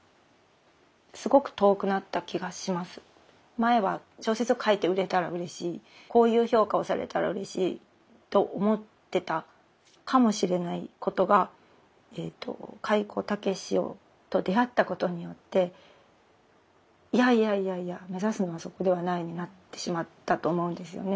前は「小説を書いて売れたらうれしいこういう評価をされたらうれしい」と思ってたかもしれないことが開高健と出会ったことによって「いやいやいやいや目指すのはそこではない」になってしまったと思うんですよね。